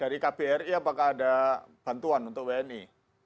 dari kbri apakah ada bantuan untuk wni